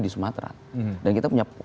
di sumatera dan kita punya